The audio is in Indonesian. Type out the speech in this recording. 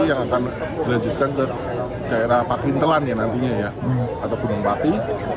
yang akan dilanjutkan ke daerah pakintelan ya nantinya ya atau gunung pati